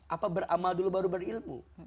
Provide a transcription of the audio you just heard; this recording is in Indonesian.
apa beramal dulu baru berilmu